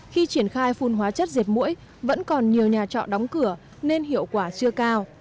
khi triển khai phun hóa chất diệt mũi vẫn còn nhiều nhà trọ đóng cửa nên hiệu quả chưa cao